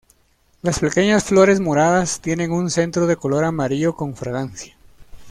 Las pequeñas flores moradas tienen un centro de color amarillo con fragancia.